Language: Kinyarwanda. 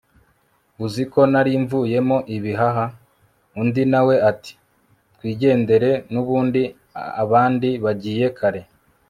uziko narimvuyemo ibihaha! undi nawe ati twingendere nubundi abandi bagiye kare